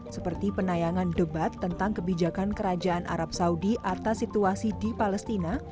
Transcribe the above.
seperti penayangan debat tentang kebijakan kerajaan arab saudi atas situasi di palestina